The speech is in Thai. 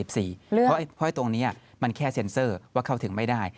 เพราะตรงนี้มันแค่เซ็นเซอร์ว่าเข้าถึงไม่ได้